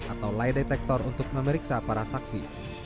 atau lay detektor untuk memeriksa para saksi